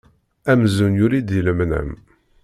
Amzun yuli-d di lemnam.